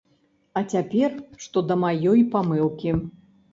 А цяпер, што да маёй памылкі.